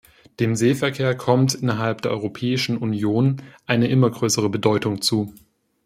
Dem Seeverkehr kommt innerhalb der Europäischen Union eine immer größere Bedeutung zu.